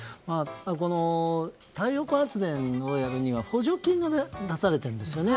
この太陽光発電をやるには補助金が出されているんですね。